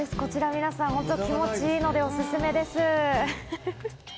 皆さん、本当に気持ち良いのでおすすめです。